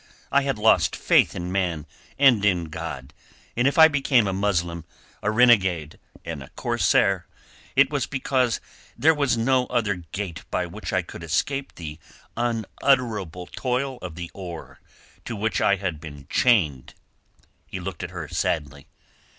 I had lost faith in man and in God, and if I became a Muslim, a renegade, and a corsair, it was because there was no other gate by which I could escape the unutterable toil of the oar to which I had been chained." He looked at her sadly.